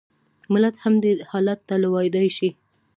ملت هم دې حالت ته لوېدای شي.